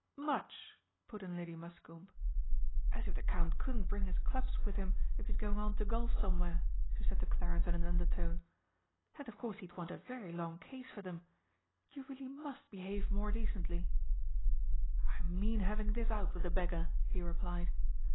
"Much!" put in Lady Muscombe. "As if the Count couldn't bring his clubs with him if he's going on to golf somewhere!" she said to Clarence in an undertone. "And of course he'd want a very long case for them! You really must behave more decently!" "I mean having this out with the beggar," he replied.